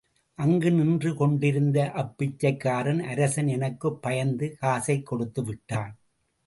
அங்கு நின்று கொண்டிருந்த அப்பிச்சைக்காரன், அரசன் எனக்குப் பயந்து காசைக் கொடுத்துவிட்டான்.